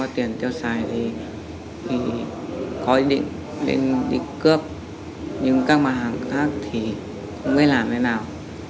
thì có ý định lên đi cướp nhưng các mà hàng khác thì không biết làm thế nào